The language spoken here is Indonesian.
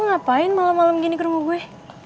lo ngapain malem malem gini ke rumah gue